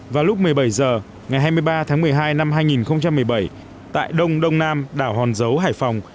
vào lúc một mươi bảy h ngày hai mươi ba tháng một mươi hai năm hai nghìn một mươi bảy tại đông đông nam đảo hòn dấu hải phòng